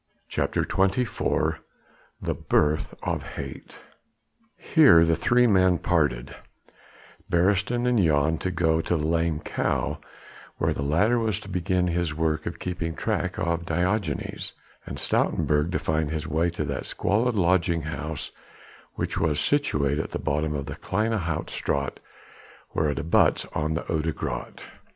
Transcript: CHAPTER XXIV THE BIRTH OF HATE Here the three men parted; Beresteyn and Jan to go to the "Lame Cow" where the latter was to begin his work of keeping track of Diogenes, and Stoutenburg to find his way to that squalid lodging house which was situate at the bottom of the Kleine Hout Straat where it abuts on the Oude Gracht.